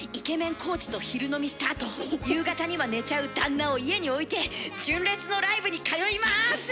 コーチと昼飲みしたあと夕方には寝ちゃう旦那を家に置いて純烈のライブに通います！